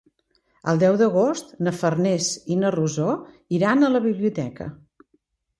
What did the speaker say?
El deu d'agost na Farners i na Rosó iran a la biblioteca.